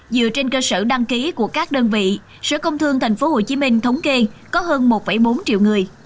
dựa trên cơ sở đăng ký của các đơn vị sở công thương tp hcm thống kê có hơn một bốn triệu người